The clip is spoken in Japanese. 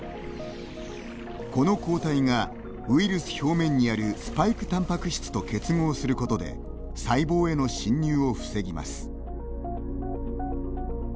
この抗体が、ウイルス表面にあるスパイクタンパク質と結合することで細胞への侵入を防ぎます。